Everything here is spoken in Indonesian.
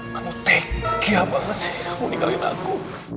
kamu tega banget sih kamu ninggalin aku